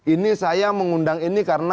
ini saya mengundang ini karena